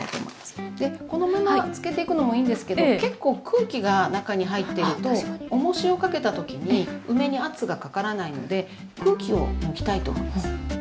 このまま漬けていくのもいいんですけど結構空気が中に入ってるとおもしをかけた時に梅に圧がかからないので空気を抜きたいと思います。